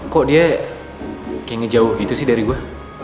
kok dia kayak ngejauh gitu sih dari gue